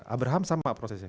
abraham sama prosesnya